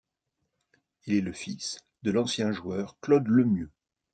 Il est le fils de l'ancien joueur Claude Lemieux.